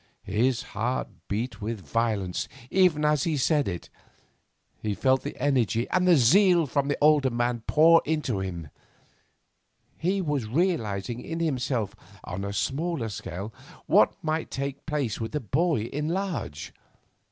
His heart beat with violence even as he said it; he felt the energy and zeal from the older man pour into him. He was realising in himself on a smaller scale what might take place with the boy in large.